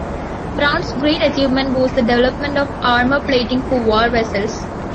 Brown's great achievement was the development of armour plating for war vessels.